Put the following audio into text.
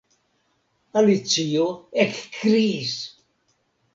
Alicio ekkriis.